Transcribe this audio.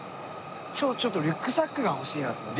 今日ちょっとリュックサックが欲しいなと思って。